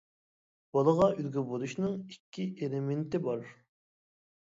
بالىغا ئۈلگە بولۇشنىڭ ئىككى ئېلېمېنتى بار.